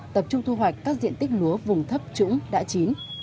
tập trung thu hoạch các diện tích lúa vùng thấp trũng đã chín